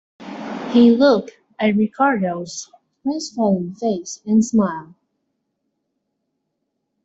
He looked at Ricardo's crestfallen face and smiled.